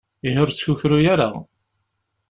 Ihi ur ttkukru ara.